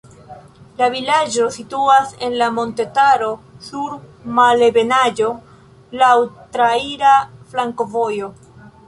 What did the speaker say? La vilaĝo situas en montetaro sur malebenaĵo, laŭ traira flankovojo.